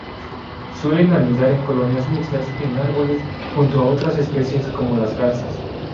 Suelen anidar en colonias mixtas en árboles junto a otras especies, como las garzas.